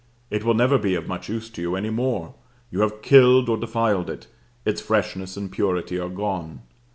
It will never be of much use to you any more; you have killed or defiled it; its freshness and purity are gone.